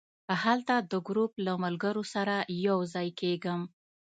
هلته د ګروپ له ملګرو سره یو ځای کېږم.